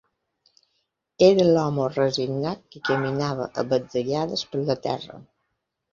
Era l'home resignat que caminava a batzegades per la terra